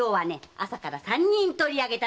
朝から三人取りあげたの。